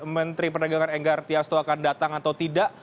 menteri perdagangan enggartia stolokita akan datang atau tidak